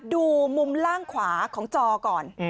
ดูมุมล่างขวาของจอก่อน